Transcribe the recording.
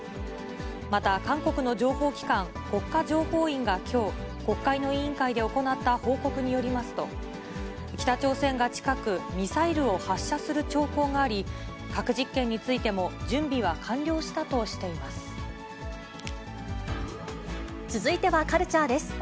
また、韓国の情報機関、国家情報院がきょう、国会の委員会で行った報告によりますと、北朝鮮が近く、ミサイルを発射する兆候があり、核実験についても、続いてはカルチャーです。